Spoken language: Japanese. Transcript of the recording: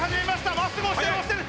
まっすぐ押してる、押してる！